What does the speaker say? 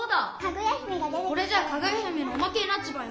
これじゃあ「かぐや姫」のおまけになっちまうよ。